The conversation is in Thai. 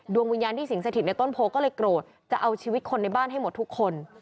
วิญญาณที่สิงสถิตในต้นโพก็เลยโกรธจะเอาชีวิตคนในบ้านให้หมดทุกคน